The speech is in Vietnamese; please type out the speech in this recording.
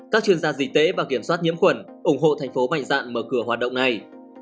các chuyên gia dịch tế và kiểm soát nhiễm khuẩn ủng hộ tp hcm mở cửa hoạt động này